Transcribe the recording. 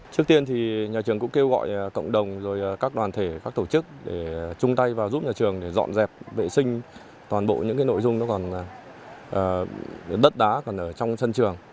trước tiên thì nhà trường cũng kêu gọi cộng đồng rồi các đoàn thể các tổ chức để chung tay vào giúp nhà trường để dọn dẹp vệ sinh toàn bộ những nội dung nó còn đất đá còn ở trong sân trường